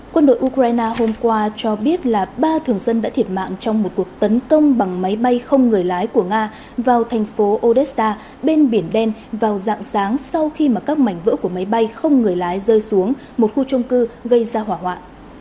quân đội ukraine hôm qua cho biết là ba thường dân đã thiệt mạng trong một cuộc tấn công bằng máy bay không người lái của nga vào thành phố odesta bên biển đen vào dạng sáng sau khi mà các mảnh vỡ của máy bay không người lái rơi xuống một khu trung cư gây ra hỏa hoạn